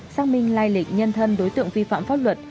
xác minh lai lịch nhân thân đối tượng vi phạm pháp luật